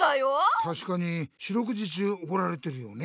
たしかに四六時中おこられてるよね。